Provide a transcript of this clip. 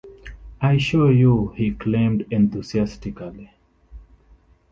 "I show you," he exclaimed enthusiastically.